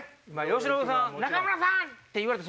喜伸さん。